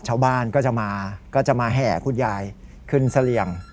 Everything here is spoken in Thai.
ชาวบ้านก็จะมาก็จะมาแห่คุณยายขึ้นเสลี่ยง